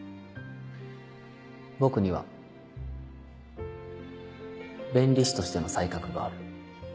僕には弁理士としての才覚がある。